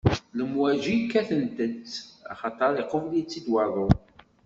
Lemwaǧi kkatent-tt axaṭer iqubel-itt-id waḍu.